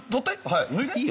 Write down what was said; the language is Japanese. はい。